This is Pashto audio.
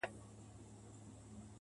زه لاس په سلام سترگي راواړوه